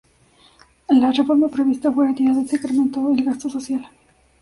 La reforma prevista fue retirada y se incrementó el gasto social.